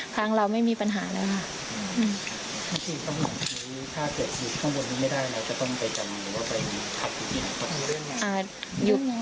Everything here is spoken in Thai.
ทางเราไม่มีปัญหาแล้วค่ะ